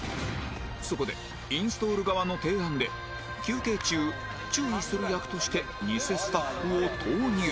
そこでインストール側の提案で休憩中注意する役としてニセスタッフを投入